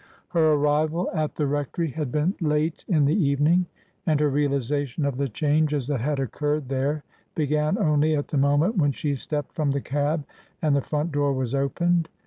Her ar rival at the rectory had been late in the evening, and her realization of the changes that had occurred there began only at the moment when she stepped from the cab and the front door was opened.